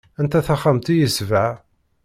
Anta taxxamt i yesbeɣ?